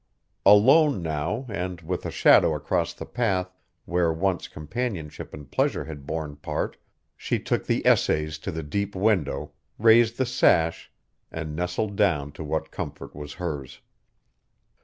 Alone now, and with a shadow across the path where once companionship and pleasure had borne part, she took the Essays to the deep window, raised the sash, and nestled down to what comfort was hers.